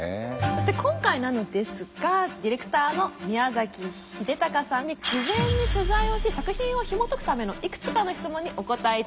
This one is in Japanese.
そして今回なのですがディレクターの宮崎英高さんに事前に取材をし作品をひもとくためのいくつかの質問にお答え頂きました。